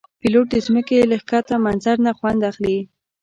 پیلوټ د ځمکې له ښکته منظر نه خوند اخلي.